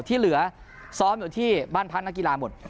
ที่เหลือซ้อมอยู่ที่บ้านพักนักกีฬาหมด